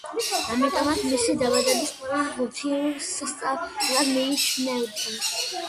ამიტომაც მისი დაბადებას ყველა ღვთიურ სასწაულად მიიჩნევდა.